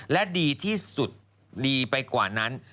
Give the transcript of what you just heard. และดีที่สุดดีไปกว่านั้น